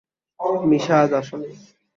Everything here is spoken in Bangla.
মিশা আজ আসামি।